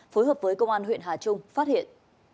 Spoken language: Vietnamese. phối hợp với công an huyện hà trung phát hiện